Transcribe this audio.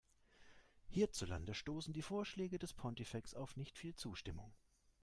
Hierzulande stoßen die Vorschläge des Pontifex auf nicht viel Zustimmung.